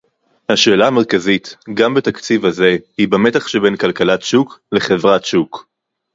השאלה המרכזית גם בתקציב הזה היא במתח שבין כלכלת שוק לחברת שוק